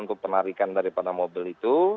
untuk penarikan dari pada mobil itu